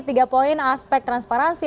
tiga poin aspek transparansi